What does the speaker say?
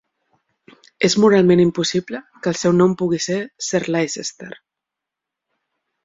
És moralment impossible que el seu nom pugui ser Sir Leicester.